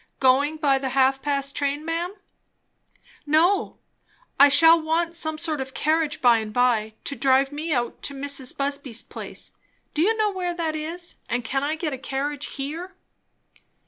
Going by the half past six train, ma'am?" "No. I shall want some sort of a carriage by and by, to drive me out to Mrs. Busby's place; do you know where that is? And can I get a carriage here?"